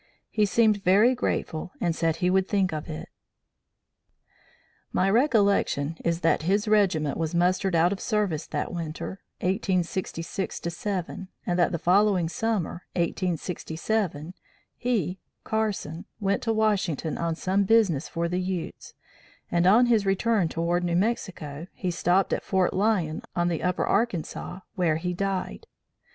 He seemed very grateful and said he would think of it. "My recollection is that his regiment was mustered out of service that winter, 1866 7, and that the following summer, 1867, he (Carson) went to Washington on some business for the Utes, and on his return toward New Mexico, he stopped at Fort Lyon, on the upper Arkansas, where he died.